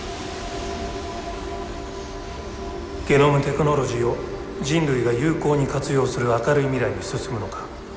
ゲノムテクノロジーを人類が有効に活用する明るい未来に進むのか。